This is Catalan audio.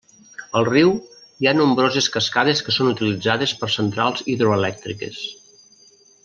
El riu hi ha nombroses cascades que són utilitzades per centrals hidroelèctriques.